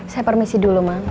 saya permisi dulu mak